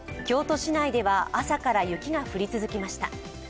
京都市内では朝から雪が降り続きました。